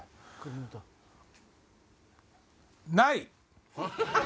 ない。